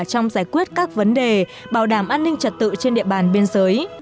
trong giải quyết các vấn đề bảo đảm an ninh trật tự trên địa bàn biên giới